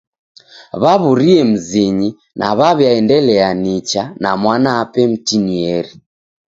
Waw'urie mzinyi na waw'iaendelia nicha na mwanape mtinieri.